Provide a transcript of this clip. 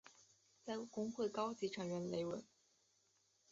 在公会高级成员雷文。